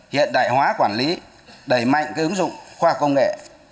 hiện đại hóa quản lý đẩy mạnh ứng dụng khoa công nghệ